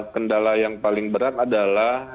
kendala yang paling berat adalah